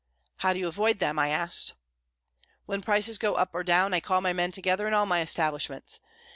"How do you avoid them?" I asked. "When prices go up or down, I call my men together in all my establishments.